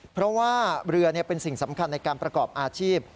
เพราะว่าเรือเป็นสิ่งสำคัญในการประกอบอาชีพ